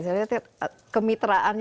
saya lihat kemitraannya